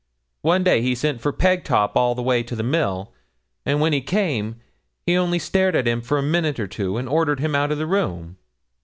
One day he sent for Pegtop all the way to the mill; and when he came, he only stared at him for a minute or two, and ordered him out o' the room.